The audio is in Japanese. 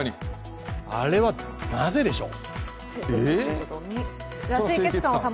あれはなぜでしょう？